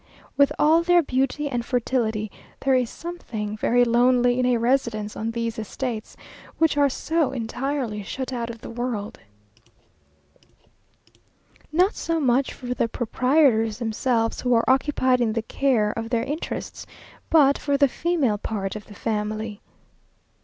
With all their beauty and fertility, there is something very lonely in a residence on these estates, which are so entirely shut out of the world; not so much for the proprietors themselves, who are occupied in the care of their interests, but for the female part of the family.